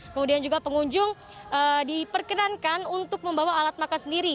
kemudian juga pengunjung diperkenankan untuk membawa alat makan sendiri